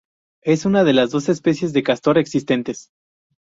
Es una de las dos especies de castor existentes.